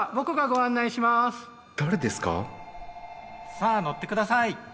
さあ乗って下さい！